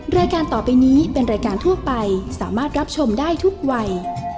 รายการต่อไปนี้เป็นรายการทั่วไปสามารถรับชมได้ทุกวัย